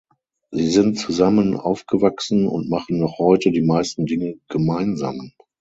Sie sind zusammen aufgewachsen und machen noch heute die meisten Dinge gemeinsam.